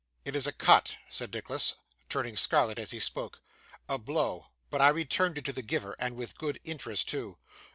'It is a cut,' said Nicholas, turning scarlet as he spoke, 'a blow; but I returned it to the giver, and with good interest too.